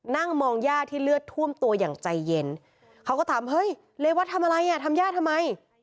นั่งมองย่าที่เลือดท่วมตัวอย่างใจเย็นเขาก็ถามเฮ้ยเรวัตทำอะไรอ่ะทำย่าทำไม